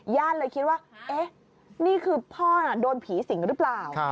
ญาติเลยคิดว่าเอ๊ะนี่คือพ่อโดนผีสิงหรือเปล่า